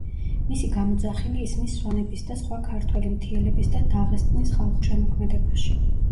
მისი გამოძახილი ისმის სვანების და სხვა ქართველი მთიელების და დაღესტნის ხალხურ შემოქმედებაში.